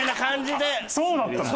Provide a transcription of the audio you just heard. そうだったの？